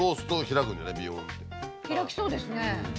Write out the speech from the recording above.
開きそうですね。